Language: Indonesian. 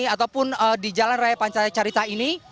ataupun di jalan raya pantai carita ini